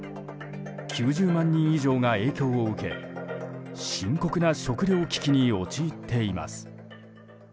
９０万人以上が影響を受け深刻な食糧危機に陥っています。